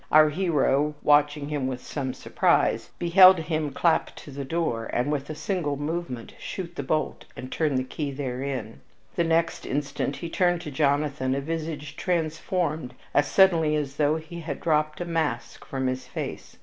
Our hero, watching him with some surprise, beheld him clap to the door and with a single movement shoot the bolt and turn the key therein. The next instant he turned to Jonathan a visage transformed as suddenly as though he had dropped a mask from his face.